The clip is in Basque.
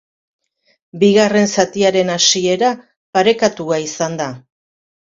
Bigarren zatiaren hasiera parekatua izan da.